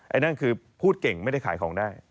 ไอ้นั่นคือพูดเก่งไม่ได้ขายของได้